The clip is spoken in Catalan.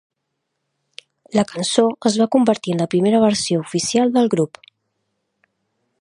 La cançó es va convertir en la primera versió oficial del grup.